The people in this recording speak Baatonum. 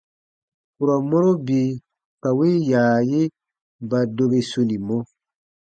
Kurɔ mɔro bii ka win yaayi ba dobi sunimɔ.